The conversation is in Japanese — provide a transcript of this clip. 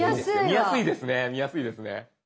見やすいですね見やすいですね。